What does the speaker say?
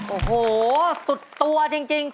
โอ้โหสุดตัวจริง